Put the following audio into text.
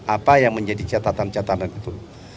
apa yang menjadi catatan catatan itu